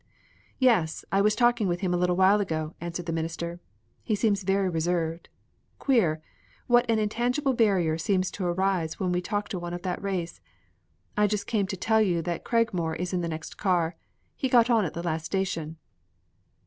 "Yes, I was talking with him a little while ago," answered the minister. "He seems very reserved. Queer, what an intangible barrier seems to arise when we talk to one of that race. I just came in to tell you that Cragmore is in the next car. He got on at the last station."